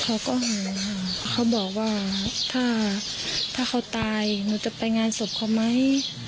เขาก็บอกว่าถ้าถ้าเขาตายหนูจะไปงานศพเขาไหม